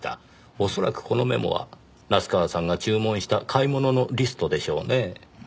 おそらくこのメモは夏河さんが注文した買い物のリストでしょうねぇ。